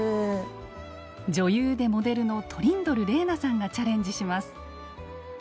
女優でモデルのトリンドル玲奈さんがチャレンジします。